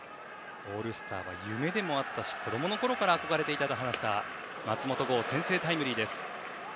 オールスターは夢でもあったし子供のころから憧れていたと話した松本剛、先制タイムリーです。